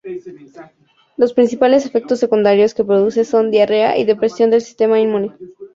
Los principales efectos secundarios que produce son diarrea y depresión del sistema inmune.